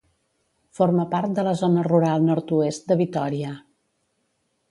Forma part de la Zona Rural Nord-oest de Vitòria.